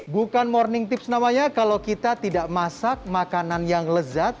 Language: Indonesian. bukan morning tips namanya kalau kita tidak masak makanan yang lezat